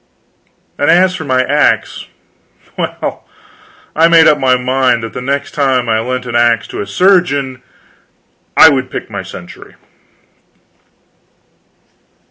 And as for my axe well, I made up my mind that the next time I lent an axe to a surgeon I would pick my century.